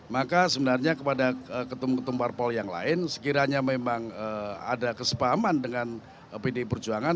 maka sebenarnya kepada ketua mumparpol yang lain sekiranya memang ada kesepaman dengan pd perjuangan